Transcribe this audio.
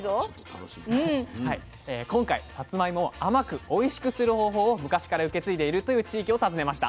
今回さつまいもを甘くおいしくする方法を昔から受け継いでいるという地域を訪ねました。